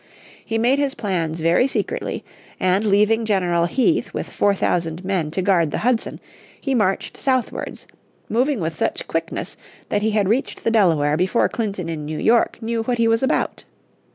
He made his plans very secretly, and leaving General Heath with four thousand men to guard the Hudson, he marched southwards, moving with such quickness that he had reached the Delaware before Clinton in New York knew what he was about.